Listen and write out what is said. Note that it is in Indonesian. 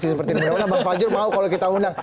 seperti nama bang fajrul mau kalau kita undang